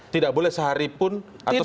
tidak boleh seharipun atau sedikit pun malam